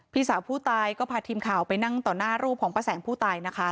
พี่สาวผู้ตายก็พาทีมข่าวไปนั่งต่อหน้ารูปของป้าแสงผู้ตายนะคะ